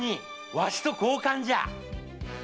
わしと交換じゃ！